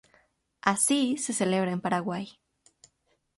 Así se celebra en Paraguay.